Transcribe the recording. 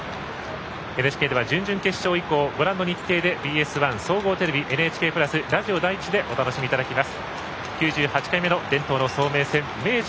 ＮＨＫ では準々決勝以降ご覧の日程で ＢＳ１、総合テレビ ＮＨＫ プラス、ラジオ第一でお楽しみいただきます。